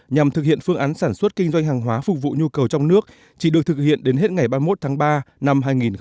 nhằm thực hiện phương án sản xuất kinh doanh hàng hóa phục vụ nhu cầu trong nước chỉ được thực hiện đến hết ngày ba mươi một tháng ba năm hai nghìn hai mươi